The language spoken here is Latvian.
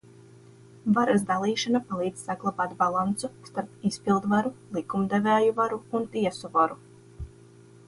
Varas dalīšana palīdz saglabāt balansu starp izpildvaru, likumdevēju varu un tiesu varu.